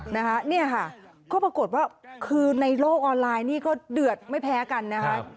นะคะเนี่ยค่ะก็ปรากฏว่าคือในโลกออนไลน์นี่ก็เดือดไม่แพ้กันนะคะ